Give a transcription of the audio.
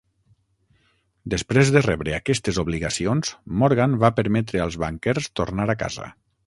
Després de rebre aquestes obligacions, Morgan va permetre als banquers tornar a casa.